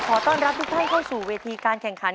ขอต้อนรับทุกท่านเข้าสู่เวทีการแข่งขัน